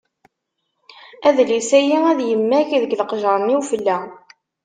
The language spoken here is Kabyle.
Adlis-ayi ad yemmag deg leqjer-nni n ufella.